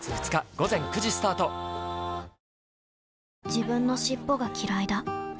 自分の尻尾がきらいだ